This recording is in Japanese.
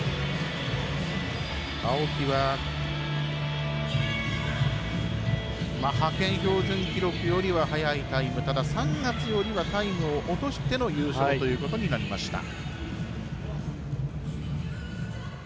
青木は派遣標準記録よりは早いタイムただ、３月よりはタイムを落としての優勝ということになりました。